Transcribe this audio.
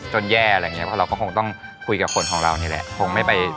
จนแย่อะไรนี่